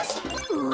うわ。